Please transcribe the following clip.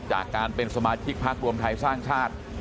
จากการเป็นสมาชิกพักรวมไทยสร้างชาติ